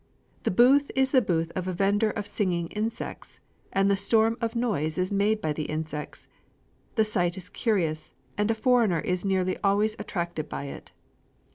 The booth is the booth of a vendor of singing insects; and the storm of noise is made by the insects. The sight is curious; and a foreigner is nearly always attracted by it.